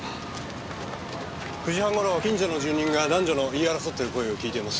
９時半頃近所の住人が男女の言い争ってる声を聞いています。